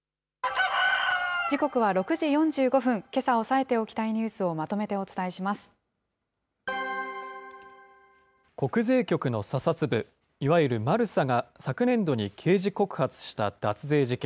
時刻は６時４５分、けさ押さえておきたいニュースをまとめて国税局の査察部、いわゆるマルサが昨年度に刑事告発した脱税事件。